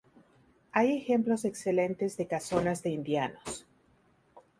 Hay ejemplos excelentes de casonas de indianos.